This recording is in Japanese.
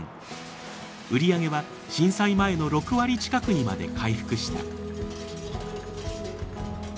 売り上げは震災前の６割近くにまで回復した。